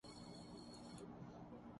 انھوں نے غصے میں آ کر کھانے کی پلیٹ